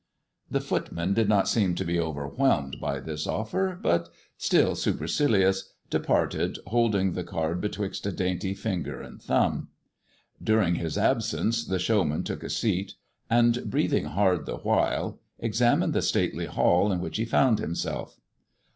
The footman did not seem to be overwhelmed by this offer, but still supercilious, departed, holding the card betwixt a .dainty finger and thumb. During his absence the showman took a seat, and breathing hard the while, examined the stately hall in which he found himself.